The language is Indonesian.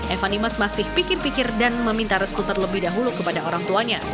evan dimas masih pikir pikir dan meminta restu terlebih dahulu kepada orang tuanya